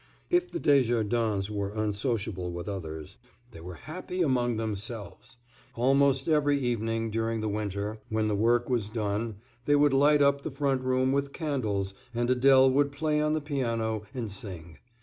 If the Desjardins were unsociable with others, they were happy among themselves. Almost every evening during the winter, when the work was done, they would light up the front room with candles, and Adèle would play on the piano and sing.